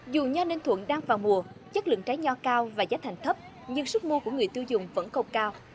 dù nho ninh thuận đang vào mùa chất lượng trái nho cao và giá thành thấp nhưng sức mua của người tiêu dùng vẫn không cao